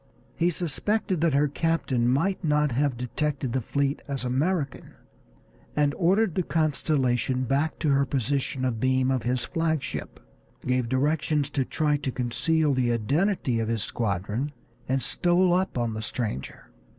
He suspected that her captain might not have detected the fleet as American, and ordered the Constellation back to her position abeam of his flag ship, gave directions to try to conceal the identity of his squadron, and stole up on the stranger.